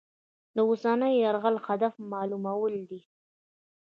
د اوسني یرغل هدف معلومول دي.